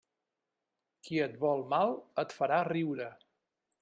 Qui et vol mal, et farà riure.